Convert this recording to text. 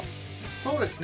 そうですね。